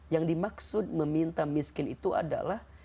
yang dimaksud meminta miskin itu adalah